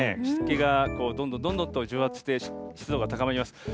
湿気がどんどんどんどんと蒸発して、湿度が高まります。